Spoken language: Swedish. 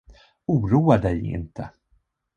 Oroa dig inte!